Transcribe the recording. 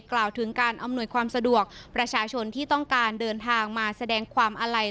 กล่าวถึงการอำนวยความสะดวกประชาชนที่ต้องการเดินทางมาแสดงความอาลัย